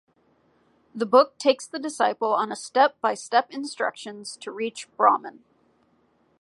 The book takes the disciple on a step by step instructions to reach Brahman.